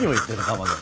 かまど。